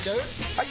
・はい！